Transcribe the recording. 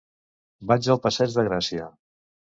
Vaig al passeig de Gràcia.